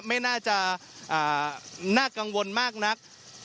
ไม่น่าจะน่ากังวลมากนัก